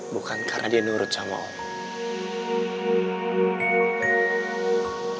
bukan karena dia nurut sama orang